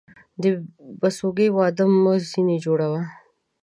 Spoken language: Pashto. د بسوگى واده مه ځيني جوړوه.